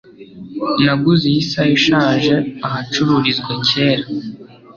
Naguze iyi saha ishaje ahacururizwa kera.